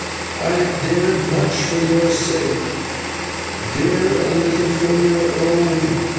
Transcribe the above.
I have dared much for your sake; dare a little for your own.